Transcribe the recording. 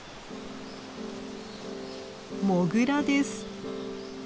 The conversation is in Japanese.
モグラです。